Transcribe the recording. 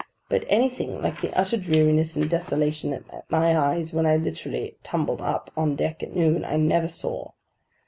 But anything like the utter dreariness and desolation that met my eyes when I literally 'tumbled up' on deck at noon, I never saw.